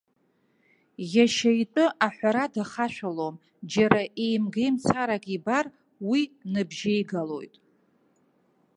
Иашьа итәы аҳәара дахашәалом, џьара еимгеимцарак ибар, уи ныбжьеигалоит.